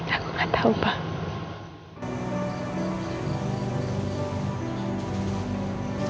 aku gak tau pak